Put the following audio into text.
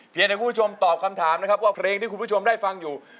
ให้คุณผู้ชมตอบคำถามนะครับว่าเพลงที่คุณผู้ชมได้ฟังอยู่